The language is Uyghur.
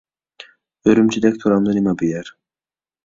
ئۈرۈمچىدەك تۇرامدۇ نېمە بۇ يەر؟